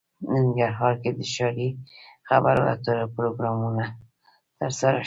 ننګرهار کې د ښاري خبرو اترو پروګرام ترسره شو